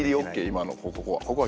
今のここは。